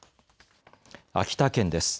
秋田県です。